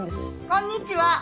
・こんにちは！